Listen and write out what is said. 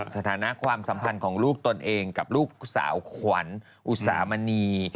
สถานะความสัมพันธ์ของลูกตนเองกับลูกสาวขวัญอุตสามณี